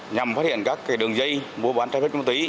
nhằm phát hiện các đường dây mua bán trái phép ma túy